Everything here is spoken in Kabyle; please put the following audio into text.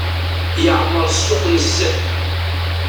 Yeɛmer ssuq nezzeh.